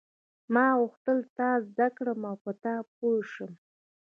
ما غوښتل تا زده کړم او په تا پوه شم.